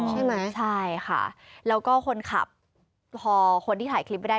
ใช่ไหมใช่ค่ะแล้วก็คนขับพอคนที่ถ่ายคลิปไว้ได้